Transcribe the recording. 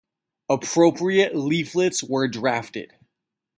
Appropriate leaflets were drafted.